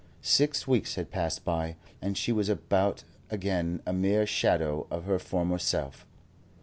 Six weeks had passed by, and she was about again, a mere shadow of her former self.